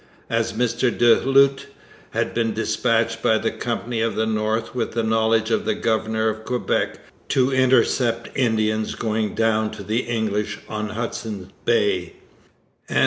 As M. Du Lhut had been dispatched by the Company of the North with the knowledge of the governor of Quebec to intercept Indians going down to the English on Hudson Bay, and M.